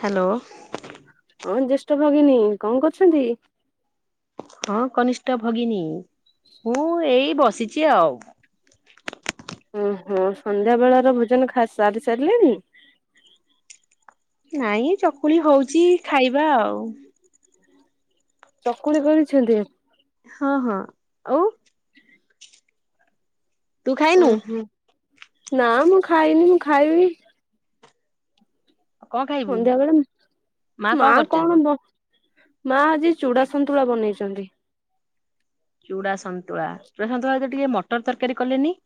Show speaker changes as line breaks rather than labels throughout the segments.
Hello
ହଁ ଯେ [unintelligible] ଭଗିନୀ କଣ କରୁଛନ୍ତି।
ହଁ କନିଷ୍ଠ ଭଗିନୀ ମୁଁ ଏଇ ବସିଛି ଆଉ।
ଓହୋ ସନ୍ଧ୍ୟା ବେଳ ର ଭୋଜନ ଖା ସାରି ସାରିଲେଣି।
ନାଇଁ ଚକୁଳି ହଉଛି ଖାଇବା ଆଉ।
ଚକୁଳି କରିଛନ୍ତି
ହଁ ହଁ ଆଉ ତୁ ଖାଇନୁ?
ଓହୋ ନା ମୁଁ ଖାଇନି ମୁଁ ଖାଇବି
କଣ ଖାଇବୁ
ସନ୍ଧ୍ୟାବେେଳେ
ମା
ମାଆ
କରିଛନ୍ତି?
କଣ ବ ମା ଆଜି ଚୂଡା ସନ୍ତୁଳା ବନେଇଚନ୍ତି।
ଚୂଡ଼ା ସନ୍ତୁଳା ଚୁଡ଼ା ସନ୍ତୁଳା ସହିତ ଟିକେ ମଟର ତରକାରୀ କଲେନି?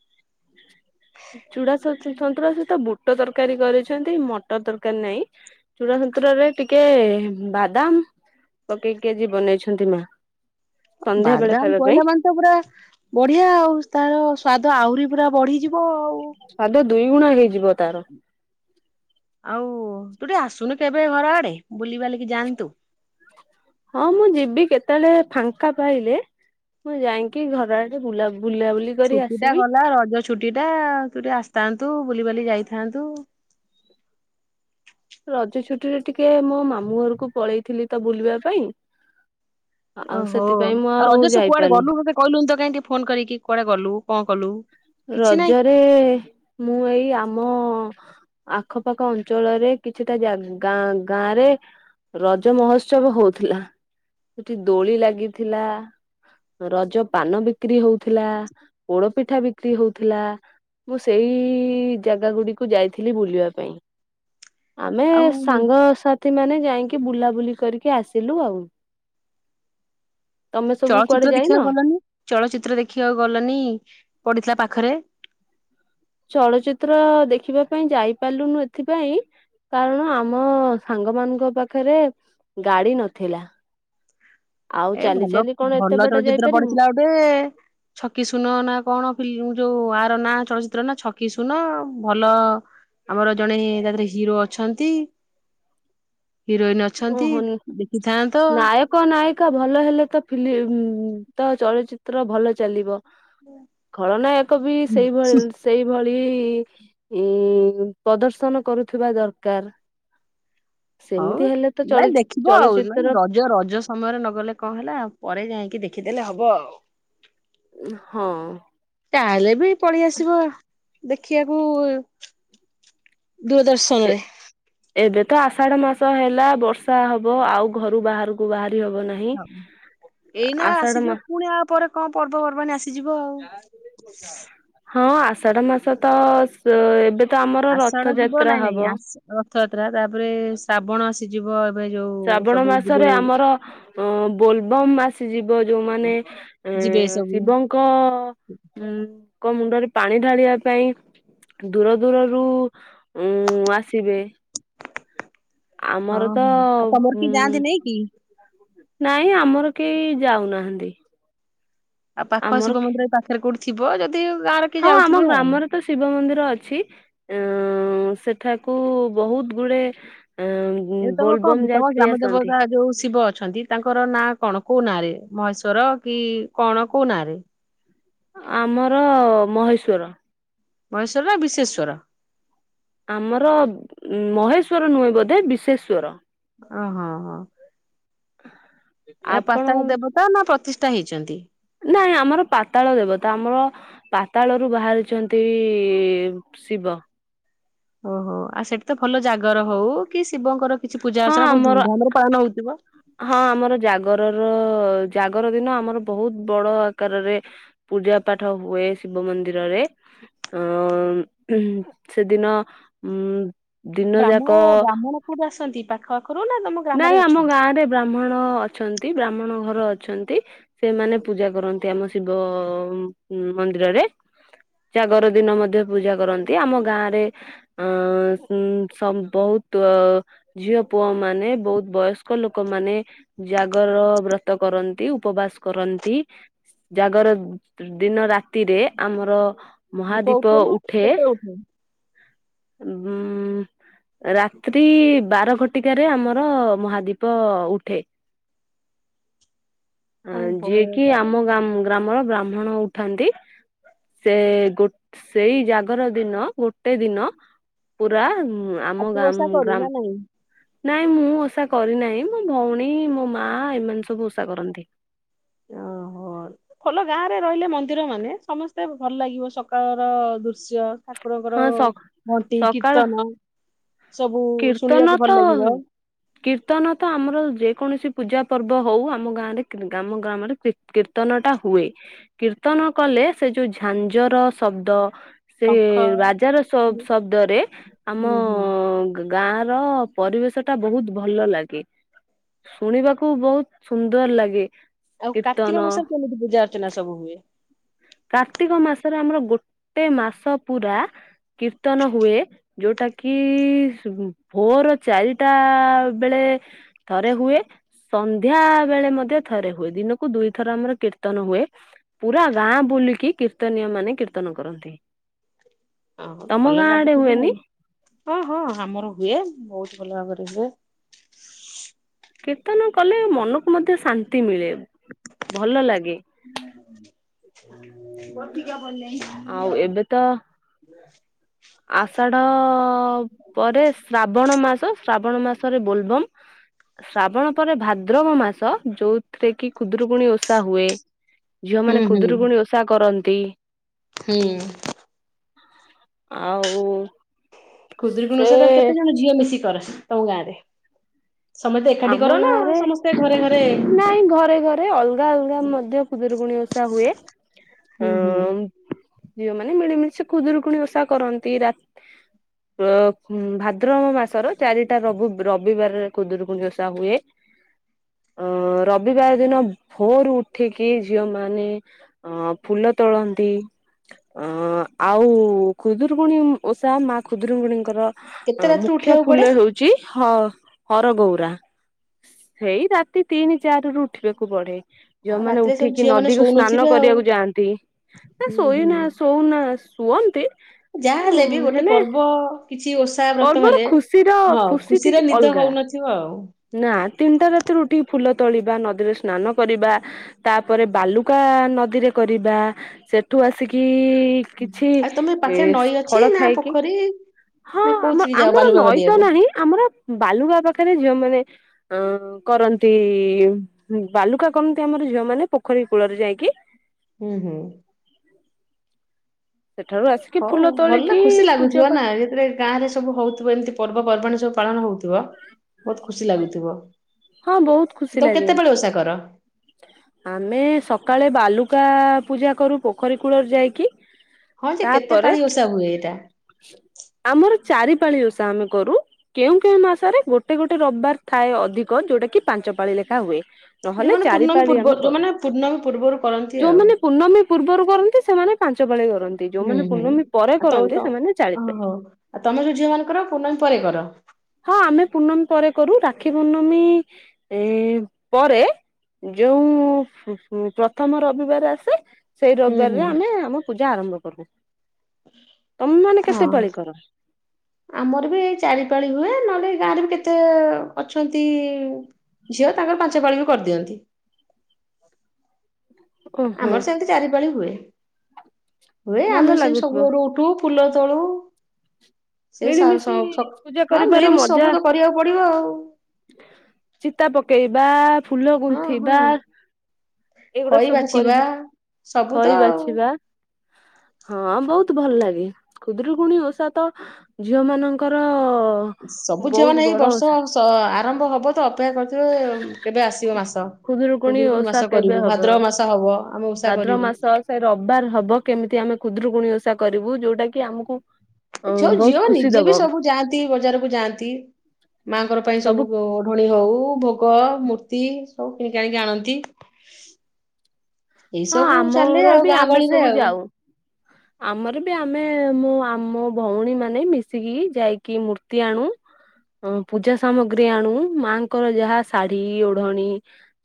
ଚୂଡ଼ା ସତ୍- ସନ୍ତୁଳା ସହିତ ବୁଟ ତରକାରୀ କରିଛନ୍ତି ମଟର ତରକାରୀ ନାଇ ଚୁଡ଼ା ସନ୍ତୁଳାରେ ଟିକେ ବାଦାମ୍ ପକେଇକି ଆଜି ବନେଇଛନ୍ତି ମାଆ।
ବାଦାମ ପଇଲା ମାନେ ତ ପୁରା ବଢିଆ ଆଉ ତାର ସ୍ଵାଦ ଆହୁରି ପୁରା ବଢିଯିବ ହଁ ଆଉ।
ସ୍ୱାଦ ଦୁଇ ଗୁଣା ହେଇଯିବ ତାର।
ଆଉ ତୁ ଟିକେ ଆସୁନୁ କେବେ ଘର ଆଡେ ବୁଲି ବାଲିକି ଯାଆନ୍ତୁ।
ହଁ ମୁଁ ଯିବି କେତେବେଳେ ଫାଙ୍କା ପାଇଲେ ମୁଁ ଯାଇକିଁ ଘର ଆଡେ ବୁଲାବୁ
ଛୁଟି ଟା ଗଲା ରଜ ଛୁଟି ଏଇଟା ତୁ ଟିକେ ଆସଥାନ୍ତୁ ବୁଲିିବାଲି ଯାଇଥାନ୍ତୁ।
ରଜ ଛୁଟିରେ ଟିକେ ମୋ ମାମୁଁ ଘରକୁ ପଳେଇଥିଲି ତ ବୁଲିବା ପାଇଁ। ଆଉ
ଓହୋ
ସେଥିପାଇଁ ମୁଁ
ଆଉ ରଜରେସବୁ କୁଆଡେ
ଯାଇପାରିନି
ଗଲୁ ମତେ ତ କଇଲୁନି ତ କାଇଁ ଫୋନ କରିକି କୁଆଡେ ଗଲୁ? କଅଁ କଲୁ? କିଛି ନାହିଁ
ରଜରେ ମୁଁ ଏଇ ଆମ ଆଖପାଖ ଅଞ୍ଚଳରେ କିଛିଟା ଜା-ଗାଁ ଗାଁରେ ରଜ ମହୋତ୍ସବ ହଉଥିଲା ସେଠି ଦୋଳି ଲାଗିଥିଲା ରଜ ପାନ ବିକ୍ରି ହଉଥିଲା ପୋଡପିଠା ବିକ ବିକ୍ରି ହଉଥିଲା ମୁଁ ସେଇ ଜାଗା ଗୁଡିକୁ ଯାଇଥିଲି ବୁଲିବା ପାଇଁ। ଆମେ ଏ
ଆଉ
ସାଙ୍ଗସାଥି ମାନେ। ଯାଇଁକି ବୁଲାବୁଲି କରିକି ଆସିଲୁ ଆଉ। ତମେ ସବୁ କୁଆଡେ
ଚଳଚିତ୍ର
ଯାଇନ?
ଦେଖିଆକୁ ଗଲନି ଚଳଚିତ୍ର ଦେଖିଆକୁ ଗଲନି ପଡିଥିଲା ପା ପାଖରେ।
ଚଳଚିତ୍ର ଦେଖିବା ପାଇଁ ଯାଇପାରଲୁନୁ ଏଥିପାଇଁ କାରଣ ଆମ ସାଙ୍ଗ ମାନଙ୍କ ପାଖରେ ଗାଡି ନଥିଲା। ଆଉ
ଏ
ଚାଲି
ଭଲ
ଚାଲି କଣ ଏତେ
ଭଲ
ବାଟ
ଚଳଚିତ୍ର
ଯାଇପାରିବୁ?
ପଡିଥିଲା ଗୋଟେଏ ଛକି ଶୂନ ନା କଣ ଫିଲ୍ମ ଯୋଉ କୁଆର ନାଁ ଚଳଚିତ୍ର ନା ଛକି ସୁନ ଭଲ ଆମର ଜଣେ ତା [unintelligible] ହିରୋ ଅଛନ୍ତି। ହିରୋଇନ୍ ଅଛନ୍ତି
ଓହୋ
ଦେଖିଥାନ୍ତ।
ନାୟକ ନାୟିକା ଭଲ ହେଲେ ତ ଫିଲ୍ମ ତ ଚଳଚିତ୍ର ଭଲ ଚାଲିବ। ଖଳନାୟକ ବି ସେଇଭଳ ସେଇଭଳ ଇ ଇ ପ୍ରଦର୍ଶନ କରୁଥିବା ଦରକାର।
ହଉ
ସେମିତି ହେଲେ ଚଳ
ନାଇଁ ଦେଖିବ ଆଉ ନାଇଁ
ଚଳଚିତ୍ର
ରଜ ରଜ ସମୟରେ ନଗଲେ କଅଁ ହେଲା ଆଉ ପରେ ଯାଇକି ଦେଖିଦେଲେ ହବ ଆଉ।
ଉଁ ହଁ।
ତାହେଲେ ବି ପଳେଇ ଆସିବ। ଦେଖିବାକୁ ଦୁର
ଏ
ଦର୍ଶନ ରେ।
ଏବେ ତ ଆଷାଢ ମାସ ହେଲା ବର୍ଷା ହବ ଆଉ ଘରୁ ବାହାରକୁ ବା
ହ ଏଇନା
ଆଷାଢ ମା
ଆସିଯିବ ପୁଣି ଆ ପରେ କଣ ପର୍ବପର୍ବାଣିୀ ଆସିଯିବ। ଆଉ।
[unintelligible] ହଁ ଆଷାଢ ମାସ ତ ସ ଏବେ ତ ଆମର
ଆଷାଢ ଯିବ
ରଥଯାତ୍ରା
ନାଇଁ
ହବ।
ନାଇଁ ଆସ, ରଥଯାତ୍ରା ତାପରେ ଶ୍ରାବଣ ଆସିଯିବ ଏବେ ଯୋଉ
ଶ୍ରାବଣ
ସବୁ ଯିବେ
ମାସରେ ଆମର ଅ ବୋଲବମ ମାସ ସେ ଯିବ ବ ଯୋଉମାନୋ ଅ
ଯିବେ ସବୁ
ଶିବଙ୍କ ଉ ଙ୍କ ମୁଣ୍ଡରେ ପାଣି ଢାଳିବା ପାଇଁ ଦୂର ଦୂରରୁ ଉମ ଆସିବେ।
ହଁ
ଆମର ତ
ହଁ ଆଉ ତମର କି
ଉଁ
ଯାଆନ୍ତି ନାଇଁ କି?
ନାଇଁ ଆମର କେହି ଯାଉନାହାନ୍ତି।
ଆଉ ପାଖ
ଆମର
ଶିବ ମନ୍ଦିର ପାଖରେ କୋଉଠି? ଥିବ ଯଦି ଗାଁର କିଏ
ହଁ ଆମ
ଯାଉଥିବେ ଆଉ
ଗ୍ରାମରେ ତ ଶିବ ମନ୍ଦିର ଅଛି। ଉ ସେଠାକୁ ବହୁତ ଗୁଡେ ଏଁ
ଏବେ ତମେ
ବୋଲବମ୍
କଣ ତମ
ଯାତ୍ରୀ
ଗ୍ରାମ
ଆସନ୍ତି।
ଦେବତା ଯୋଉ ଶିବ? ଅଛନ୍ତି। ତାଙ୍କର ନାଁ କଣ କୋଉ ନାଁ ରେ ମହେଶ୍ଵର କି କଣ କୋଉ ନାଁ ରେ?
ଆମର ମହେଶ୍ଵର।
ମହେଶ୍ଵର ନା ବିଶେସ୍ୱର?
ଆମର ମହେଶ୍ଵର ନୁହେଁ ବୋଧେ ବିଶେଶ୍ଵର।
ଓ ହଁ ହଁ। ଏ
ଆପଣ
ପାତାଳ ଦେବତା ନା ପ୍ରତି ଟା ହେଇଚନ୍ତି।
ନାଇଁ ଆମର ପାତାଳ ଦେବତା ଆମର ପାତାଳରୁୁ ବାହାରିଚନ୍ତି ଇ ଶିବ।
ଓହୋ ଆଉ ସେଠି ତ ଭଲ ଜାଗର ହଉ କି ଶିବଙ୍କର କିଛି ପୂଜା
ହଁ
ଅର୍ଚ୍ଚନା ବହୁତ
ଆମର
ଧୁମଧାମ ରେ ପାଳନା ହଉଥିବ?
ହଁ ଆମର ଜାଗରର ଜାଗର ଦିନ ଆମର ବହୁତ ବଡ ଆକାରରେ ପୂଜା ପାଠ ହୁଏ ଶିବ ମନ୍ଦିରରେ। ଅ ସେଦିନ ଉ
ବ୍ରାହ୍ମ ବ୍ରାହ୍ମଣ କଉଠୁ ଆସନ୍ତି? ପାଖ ପାଖରୁ ନା ତମ ଗ୍ରାମରେ
ନାଇଁ ଆମ
ଅଛନ୍ତି?
ଗାଁ ରେ ବ୍ରାହ୍ମଣ ଅଛନ୍ତି। ବ୍ରାହ୍ମଣ ଘର ଅ- ଅଛନ୍ତି। ସେମାନେ ପୂଜା କରନ୍ତି ଆମ ଶିବ ମନ୍ଦିରରେ। ଜାଗର ଦିନ ମଧ୍ୟ ପୂଜା କରନ୍ତି। ଆମ ଗାଁରେ ସ ଅ ବହୁତ ଅ ଝିଅ ପୁଅ ମାନେ ବହୁତ ବୟସ୍କ ଲୋକମାନେ ଜାଗର ବ୍ରତ କରନ୍ତି, ଉପବାସ କରନ୍ତି। ଜାଗର ଦିନ ରାତିରେ ଆମର
ଦୀପ
ମହାଦୀପ
ଉଠେ ନା କେତେବେଳେ ଉଠେ?
ଉ ରାଟ୍ରି ବାର ଘଟିକାରେ ଆମର ର ମହାଦୀପ ଉଠେ।
ଓହୋ
ଯିଏ କିି
ତାହେଲେ
ଆମ ଗ୍ରା ଗ୍ରାମର ବ୍ରାହ୍ମଣ ଉଠାନ୍ତି ସେ ସେଇ ଜାଗର ଦିନ ଗୋଟେ ଦିନ ପୁରା ଆମ
ଆରତୀ
ଗମ୍
ଓଷା କରୁ ନା ନାଇଁ?
ଗ୍ରାମ ନାଇଁ ମୁଁ ଓଷା କରିନାହିଁ ମୋ ଭଉଣୀ ମୋ ମା ଏମାନେ ସବୁ ଓଷା କରନ୍ତି।
ଓହୋ ଭଲ ଗାଁ ରେ ରହିଲେ ମନ୍ଦିର ମାନେ ସମସ୍ତେ ଭଲ ଲାଗିବ ସକାଳର ଦୃଶ୍ୟ ଠାକୁରଙ୍କର
ହଁ
ଘଣ୍ଟି
ସକାଳ
କୀର୍ତ୍ତନ ସବୁ
କୀର୍ତ୍ତନ
ଶୁଣିବାକୁ ଭଲ
ତ
ଲାଗିବ
କୀର୍ତ୍ତନ ତ ଆମର ଯେକୌଣସି ପୂଜା ପର୍ବ ହଉ ଆମ ଗାଁରେ ଆମ ଗ୍ରାମରେ କି କୀର୍ତ୍ତନ ଟା ହୁଏ। କୀର୍ତ୍ତନ କଲେ ସେ ଯୋଉ ଝାଞ୍ଜର ଶବ୍ଦ
ପଖ
ର ଶବ୍ଦରେ ଆମଅ
ହୁଁ।
ଗାଁ ର ପରିବେଶ ଟା ବହୁତ ଭଲ ଲାଗେ ଶୁଣିବାକୁ ବହୁତ ସୁନ୍ଦର ଲାଗେ।
ଆଉ କାର୍ତ୍ତିକ
କୀର୍ତ୍ତନ
ମାସରେ କେମିତି ପୂଜା ଅର୍ଚ୍ଚନା ସବୁ ହୁଏ?
କାର୍ତ୍ତିକ ମାସରେ ଆମର ଗୋଟେ ମାସ ପୁରା କୀର୍ତ୍ତନ ହୁଏ ଯୋଉଟା କି ଭୋର ଚାରିଟା ବେଳେ ଥରେ ହୁଏ ସନ୍ଧ୍ୟା ବେଳେ ମଧ୍ୟ ଥରେ ହୁଏ ଦିନକୁ ଦୁଇଥର ଆମର କୀର୍ତ୍ତନ ହୁଏ ପୁରା ଗାଁ ବୁଲିକି କୀର୍ତ୍ତନୀୟ ମାନେ କୀର୍ତ୍ତନ କରନ୍ତି।
ଓହୋ
ତମ
ଭଲ
ଗାଁ ଆଡେ
ଲାଗୁଥିବ
ହୁଏନି
ଆଉ ହଁ ହଁ ଆମର ହୁଏ ବହୁତ ଭଲ ଭାବରେ ହୁଏ।
କୀର୍ତ୍ତନ କଲେ ମନକୁ ମଧ୍ୟ ଶାନ୍ତି ମିଳେ। ଭଲ ଲାଗେ
[unintelligible] ଗା ଭଲେଇ
ଆଉ ଏବେ ତ ଆଷାଢ ପରେ ଶ୍ରାବଣ ମାସ ଶ୍ରାବଣ ମାସରେ ବୋଲବମ୍, ଶ୍ରାବଣ ପରେ ଭାଦ୍ରବ ମାସ ଯୋଉଥିରେ କି କୁଦ୍ରକୁୁଣୀ ଓଷା ହୁଏ। ଝିଅ
ହୁଁ
ମାନେ
ହୁଁ
କୁଦରୁକୁୁଣି ଓଷା କରନ୍ତି। ଦ
ହୁଁ।
ଆଉ
କୁଦ୍ରୀ
ସେ
କୁଣେଶ ତ କେତ ଜଣଝିଅ ମିଶି ସ ତମ ଗାରେ।
ଆମ ଗାଁରେ
ଘରେ
ନାଇଁ ଘରେ ଘରେ ଅଲଗା ଅଲଗା ମଧ୍ୟ କୁଦରକୁୁଣି ଓଷା ହୁଏ। ଆ
ହୁଁ ହୁଁ
ଝିଅମାନେ ମିଳିମିଳି ସେ ଖୁଦୁରୁକୁଣି ଓଷା କରନ୍ତି ରା ମ ଭାଦ୍ରବ ମାସର ଚାରିଟା ରବ ରବିବାରରେ କୁଦୁରୁକୁ ଓଷା ହୁଏ ଅ ରବିବାର ଦିନ ଭୋର ଉଠିକି ଝିଅ ମାନେ ଅ ଫୁଲ ତୋଳନ୍ତି ଅ ଆଉ ଖୁଦୁରୁଗୁଣୀ ଓଷା ମା ଖୁଦୁରୁଗୁଣୀଙ୍କର
କେତେ
ଅ
ରାତିରୁ
ମୁଖ୍ୟ
ଉଠିବାକୁ ପଡେ?
ଫୁଲ ହଉଛି ହ ହର ବହୁତ ରା ସେଇ ରାତି ତିନି ଚାରି ରୁ ଉଠିବାକୁ ବଢେ।
ଆଉ
ଯୋଉମାନେ
ରାତିରେ ସବୁ
ଉଠିକି
ଝିଅ ମାନେ
ନଦୀକୁ ସ୍ନାନ
ଶୋଉନଥିବେ ଆଉ।
କରିବାକୁ ଯାଆନ୍ତି ନା
ହୁଁ ହୁଁ।
ଶୋଇନା ଶଉନା ଶୁଅନ୍ତି
ଯାହା ବି ଗୋଟେ
ହେଲେ
ପର୍ବ କିଛି ଓଷା ବ୍ରତ
ପର୍ବର
ହେଲେ
ଖୁସିର
ହଁ
ଖୁସି
ଖୁସିରେ
ଟିକେ
ନିଦ
ଅଲଗା।
ହଉନଥିବ ଆଉ।
ନା ତିନିଟା ରାତି ରୁଟି ଫୁଲ ତୋଳିବା ନଦୀରେ ସ୍ନାନ କରିବା ତାପରେ ବାଲୁକା ନଦୀରେ କରିବା ସେଠୁ ଆସିକି କିଛି
ଆଉ ତମ ପାଖରେ ନଈ ଅଛି
ଫଳ
ନା
ଖାଇକି
ପୋଖରୀ
ହଁ
ନା
ଆମ
କୋଉଥିକି ଯାଅ
ଆମର
ବାଲୁକା
ନଈତ
କରିବାକୁ?
ନାହିଁ ଆମର ବାଲୁଗ ପାଖ ଝିଅ ମାନ ଅ କରନ୍ତି ବାଲୁକା କରନ୍ତି ଆମର ଝିଅ ମାନେ ପୋଖରୀ କୂଳରେ ଯାଇକି।
ହୁଁ ହୁଁ।
ସେଠାରୁ ଆସିକି
ହଉ
ଫୁଲ
ଭଲ ନା
ତୋଳିକି
ଖୁସି
ପୂଜା
ଲାଗୁଥିବ
ପାଠ
ନା ଯେଥିବେ ଗାଁରେ ସବୁ ହଉଥିବ ଏମିତି ପର୍ବପର୍ବାଣି ଯୋଉ ପାଳନ ହଉଥିବ ବହୁତ ଖୁସି ଲାଗୁଥିବ।
ହଁ ବହୁତ ଖୁସି
ତ
ଲାଗେ।
କେତେ ପାଳି ଓଷା କର
ଆମେ ସକାଳେ ବାଲୁକା ପୂଜା କରୁ ପୋଖରୀ କୂଳରେ ଯାଇକି।
ହଁ ଯେ କେତେ
ତାପରେ
ପାଳି ଓଷା ହୁଏ ଏଇଟା।
ଆମର ଚାରି ପାାଳି ଓଷା ଆମେ କରୁ କେଉଁ କେଉଁ ମାସରେ ଗୋଟେ ଗୋଟେ ରବିବାର ଥାଏ ଅଧିକ ଯୋଉଟା କି ପାଞ୍ଚ ପାଳି ଲେଖା ହୁଏ। ନହେଲେ
ଯୋଉମାନେ
ଚାରି
ପୂର୍ଣ୍ଣମୀ
ପାଳି
ପୂର୍ବ
ଆମେ କରୁ
ଯୋଉମାନେ ପୂର୍ଣ୍ଣମୀ ପୂର୍ବରୁ କରନ୍ତି ଆଉ
ଯୋଉମାନେ ପୂର୍ଣ୍ଣମୀ ପୂର୍ବରୁ କରନ୍ତି ସେମାନେ ପାଞ୍ଚ ପାଳି କରନ୍ତି। ଯୋଉମାନେ ପୂର୍ଣମୀ ପରେ କରନ୍ତି। ଚାଳି
ଓ
ପାଳି
ହୋ ଆଉ ତମେ ଯୋଉ ଝିଅ ମାନଙ୍କର ପୁର୍ଣମୀ ପରେ କର। [unintelligible]
ହଁ ଆମେ ପୂର୍ଣ୍ଣମୀ ପରେ କରୁ ରାକ୍ଷୀ ପୂର୍ଣ୍ଣମୀ ପରେ ଯୋଉ ପ୍ରଥମ ରବିବାର ଆସେ ସେଇ
ହୁଁ
ରବିବାର
ହୁଁ।
ରେ ଆମେ ଆମ ପୂ ଆରମ୍ଭ କରିବୁ।
ହଁ
କର
ଆମର ବି ଏ ଚାରିପାଳି ହୁଏ ନ ତାରେ ବି କେତେ ଅଛନ୍ତି ଝିଅ ତାଙ୍କର ପାଞ୍ଚ ପାଳି ବି କରିଦିଅନ୍ତି।
ଓହୋ
ଆମର ସେମିତି ଚାରିପଳି ହୁଏ। ହୁଏ
ଭଲ
ଆମେ ସେମ ସବୁ
ଲାଗୁଥିବ
ଭୋରୁ ଉଠୁ ଫୁଲ ତଳୁ ସେଇ ସ
ମିଳିମିଶି
ସ
ପୂଜା
ହଁ
କରିବାର
ମିଳିମିଶି
ମଜା
ସବୁ ତ କରିବାକୁ ପଡିବ ଆଉ। ହଁ
ଚିତା ପକେଇ ବା ଫୁଲ ଗୁନ୍ଥିବା। ଏଇଗୁଡା
ଖଈ
ସବୁ
ବାଛିବା
କରିବା
ସବୁ
ଖଇ
ତ ଆଉ
ବାଛିବା ହଁ ବହୁତ ଭଲ ଲାଗେ ଖୁଦରୁକୁଣୀ ଓଷା ତ ଝିଅ ମାନଙ୍କର
ସବୁ ଝିଅ
ବହୁତ
ମାନେ ଏଇ ବର୍ଷ ଆରମ୍ଭ ହବ ତ ଅପେକ୍ଷା କରିଥିବେ କେବେ ଆସିବ ମାସ।
ଖୁଦରୁକୁଣୀ
ଖୁଦୁରୁକୁଣୀ
ଓଷା
ମାସ କରିବୁ
କେବେ ହବ
ଭାଦ୍ରବ ମାସ ହବ ଆମେ ଓଷା କରିବୁ
ଭାଦ୍ରବମାସ ସେ ରବିବାର ହବ କେମିତି ଆମେ ଖୁଦରୁକୁଣୀ ଓଷା ଷା କରିବୁ ଯୋଉଟା କି ଆମକୁ ଅ
ଏ ଯୋଉ
ବହୁତ
ଝିଅ
ଖୁସି
ନିଜେ
ଦବ
ବି ସବୁ ଯାଆନ୍ତି ବଜାରକୁ ଯାଆନ୍ତି ମାଙ୍କର ପାଇଁ ସବୁ ଓଢଣୀ ହଉ ଭୋଗ୍ ପ ମୂର୍ତ୍ତି ସବୁ କିଣିକାଣିକି ଆଣନ୍ତି। ଏଇ
ହଁ
ସବୁ ଚାଲେ
ଆମର
ଆଉ
ବି
ଗାଁ
ଆମେ
ଗହଳିରେ
ସବୁ
ଆଉ।
ଯାଉ ଆମର ବି ଆମେ ଏ ମୁଁ ଆମ ଭଉଣୀ ମାନେ ମିଶିକି ଯାଇକି ମୂର୍ତ୍ତି ଆଣୁ ଅଁ ପୂଜା ସାମଗ୍ରୀ ଆଣୁ ମାଙ୍କର ଯାହା ଶାଢୀ ଓଢଣୀ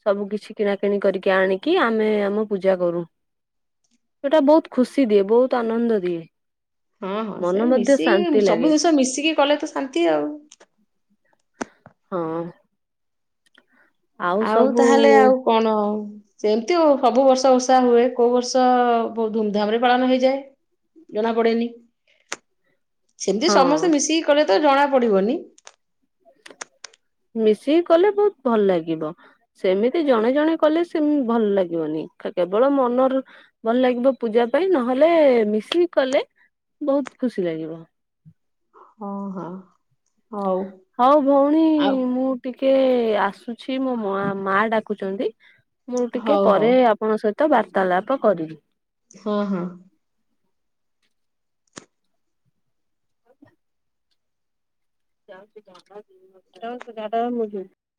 ସବୁ କିଛି କିଣାକିଣି କରିକି ଆଣିକି ଆମେ ଆମ ପୂଜା କରୁ ସେଟା ବହୁତ ଖୁସି ଦିଏ ବହୁତ ଆନନ୍ଦ ଦିଏ
ହଁ ହଁ ସେ
ମନ ମଧ୍ୟ
ମିଶିକି
ଶାନ୍ତି ଲାଗେ
ସବୁ ଜିନିଷ ମିଶିକି କଲେ ତ ଶାନ୍ତି ଆଉ।
ହଁ
ଆଉ ତାହେଲେ ଆଉ କଣ ସେମତିଓ ସବୁ ବର୍ଷ ଓଷା ହୁଏ କୋଉ ବର୍ଷ ବହୁତ ଧୁମଧାମ ରେ ପାଳନ ହେଇଯାଏ ଜଣା ପଡେନି। ସେମିତି
ହଁ
ସମସ୍ତେ ମିଶିକି କଲେ ତ ଜଣା ପଡିବନି।
ମିଶିକି କଲେ ବହୁତ ଭଲ ଲାଗିବ ସେମିତି ଜଣେ ଜଣେ କଲେ ସେମ ଭଲ ଲାଗିବନି କେବଳ ମନର ଭଲ ଲାଗିବ ପୂଜା ପାଇଁ ନହେଲେ ମିଶିକି କଲେ ବହୁତ ଖୁସି ଲାଗିବ।
ହଁ ହଁ ହଉ
ହଉ ଭଉଣୀ
ଆଉ
ମୁଁ ଟିକ୍ କେ ଆସୁଛି ମୋ ମଆ ମା ଡାକୁଛନ୍ତି। ମୁଁ ଟିକେ
ହଉ ହଉ
ପରେ ଆପଣ ସହିତ ତ ବାର୍ତ୍ତାଳାପ କରିବି।
ହଁ ହଁ।
[unintelligible]